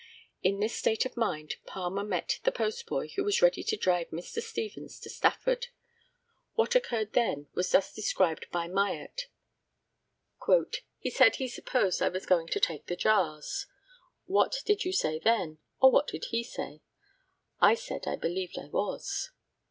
In this state of mind Palmer met the postboy who was ready to drive Mr. Stevens to Stafford. What occurred then was thus described by Myatt: "He said he supposed I was going to take the jars. What did you say then, or what did he say? I said I believed I was.